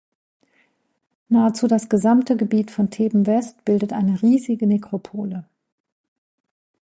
Nahezu das gesamte Gebiet von Theben-West bildet eine riesige Nekropole.